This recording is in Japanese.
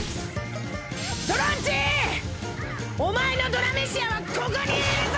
ドロンチお前のドラメシヤはここにいるぞ！